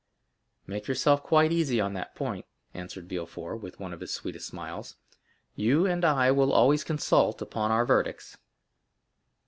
"Make yourself quite easy on that point," answered Villefort, with one of his sweetest smiles; "you and I will always consult upon our verdicts."